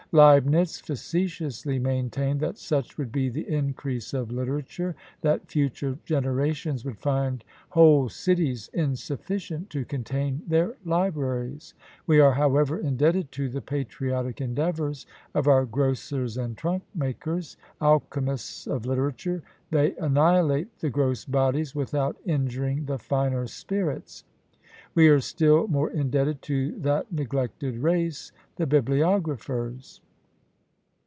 Leibnitz facetiously maintained that such would be the increase of literature, that future generations would find whole cities insufficient to contain their libraries. We are, however, indebted to the patriotic endeavours of our grocers and trunkmakers, alchemists of literature! they annihilate the gross bodies without injuring the finer spirits. We are still more indebted to that neglected race, the bibliographers!